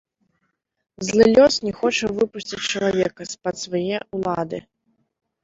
Злы лёс не хоча выпусціць чалавека з-пад свае ўлады.